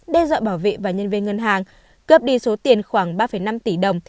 đe dọa bảo vệ và nhân viên ngân hàng cướp đi số tiền khoảng ba năm tỷ đồng